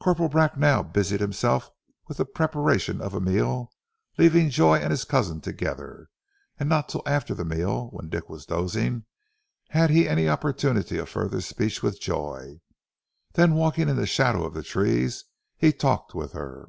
Corporal Bracknell busied himself with the preparation of a meal, leaving Joy and his cousin together, and not till after the meal when Dick was dozing had he any opportunity of further speech with Joy. Then walking in the shadow of the trees he talked with her.